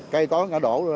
cây có ngã đổ